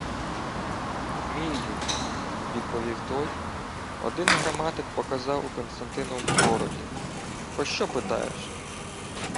— Вмію, — відповів той. — Один граматик показав у Константиновому городі. Пощо питаєш?